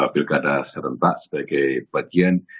pilkada serentak sebagai bagian